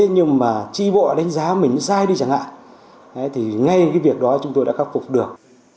nhưng mà tri bộ đánh giá mình mới sai đi chẳng hạn thì ngay cái việc đó chúng tôi đã khắc phục được